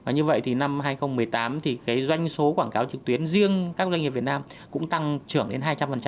như vậy thì năm hai nghìn một mươi tám doanh số quảng cáo trực tuyến riêng các doanh nghiệp việt nam cũng tăng trưởng đến hai trăm linh